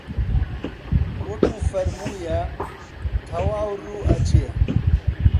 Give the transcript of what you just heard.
وەکوو فەرموویە تەواو ڕوو ئەچێ